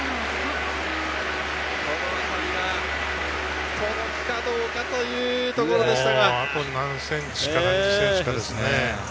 この当たりが届くかどうかというところでした。